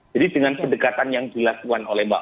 jadi dengan pendekatan yang dilakukan oleh mas ganjar